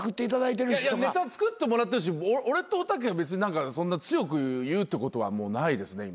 いやネタ作ってもらってるし俺とおたけは別にそんな強く言うってことはないですね今。